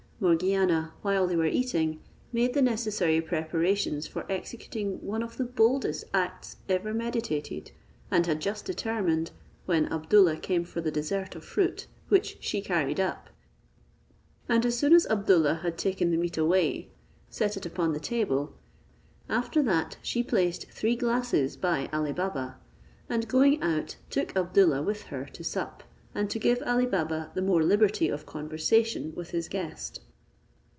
Morgiana, while they were eating, made the necessary preparations for executing one of the boldest acts ever meditated, and had just determined, when Abdoollah came for the dessert of fruit, which she carried up, and as soon as Abdoollah had taken the meat away, set it upon the table; after that, she placed three glasses by Ali Baba, and going out, took Abdoollah with her to sup, and to give Ali Baba the more liberty of conversation with his guest.